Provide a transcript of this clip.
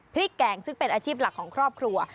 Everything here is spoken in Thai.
แกงซึ่งเป็นอาชีพหลักของครอบครัว